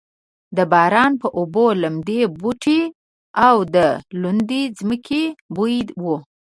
د باران په اوبو لمدې بوټې او د لوندې ځمکې بوی و.